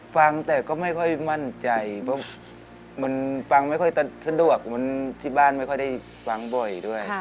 ฟังแต่ก็ไม่ค่อยมั่นใจเพราะมันฟังไม่ค่อยสะดวกมันที่บ้านไม่ค่อยได้ฟังบ่อยด้วย